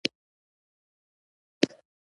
په یو بل لوښي کې بوره او اوبه وخوټوئ د پخولو لپاره.